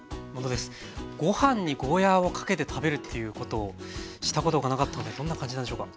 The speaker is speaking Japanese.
ご飯にゴーヤーをかけて食べるということをしたことがなかったのでどんな感じなんでしょうか。